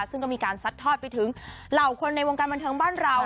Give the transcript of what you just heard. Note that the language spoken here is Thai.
ซึ่งก็มีการซัดทอดไปถึงเหล่าคนในวงการบันเทิงบ้านเรา